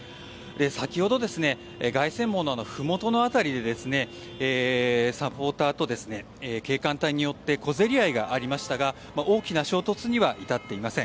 先ほど凱旋門のふもとの辺りでサポーターと警官隊によって小競り合いがありましたが大きな衝突には至っていません。